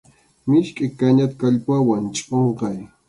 Miskʼi kañata kallpawan chʼunqay.